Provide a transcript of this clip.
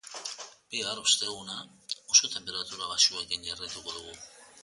Bihar, osteguna, oso tenperatura baxuekin jarraituko dugu.